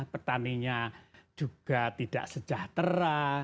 petaninya juga tidak sejahtera